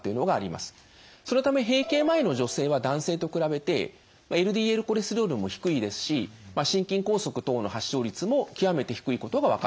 そのため閉経前の女性は男性と比べてＬＤＬコレステロールも低いですし心筋梗塞等の発症率も極めて低いことが分かっています。